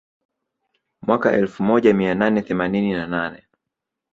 Mwaka elfu moja mia nane themanini na nane